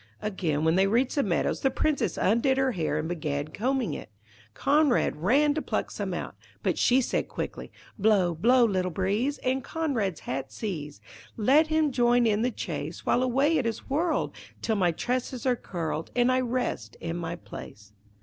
Again, when they reached the meadows, the Princess undid her hair and began combing it. Conrad ran to pluck some out; but she said quickly 'Blow, blow, little breeze, And Conrad's hat seize. Let him join in the chase While away it is whirled, Till my tresses are curled And I rest in my place.'